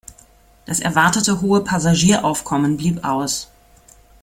Das erwartete hohe Passagieraufkommen blieb aus.